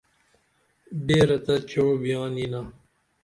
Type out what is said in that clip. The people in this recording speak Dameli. بیرہ تہ چعو بیان یینا